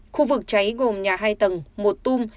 khu vực cháy gồm nhà hai tầng một tum